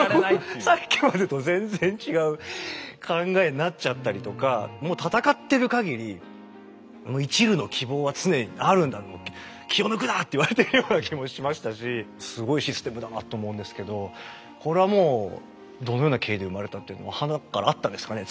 さっきまでと全然違う考えになっちゃったりとかもう戦ってるかぎりいちるの希望は常にあるんだと思って「気を抜くな！」って言われてるような気もしましたしすごいシステムだなと思うんですけどこれはもうどのような経緯で生まれたっていうのははなっからあったんですかね